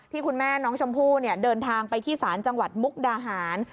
คุณแม่น้องชมพู่เดินทางไปที่ศาลจังหวัดมุกดาหาร